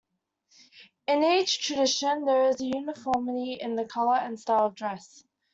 In each tradition there is uniformity in the colour and style of dress.